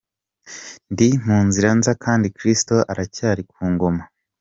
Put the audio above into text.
Ndi mu nzira nza kandi Kristo aracyari ku ngoma.